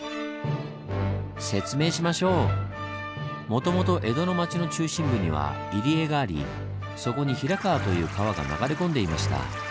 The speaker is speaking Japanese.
もともと江戸の町の中心部には入り江がありそこに平川という川が流れ込んでいました。